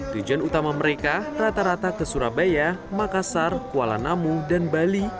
tujuan utama mereka rata rata ke surabaya makassar kuala namu dan bali